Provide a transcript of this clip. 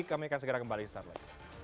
kami akan segera kembali sesaat lain